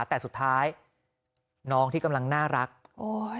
แต่สุดท้ายน้องที่กำลังน่ารักโอ้ย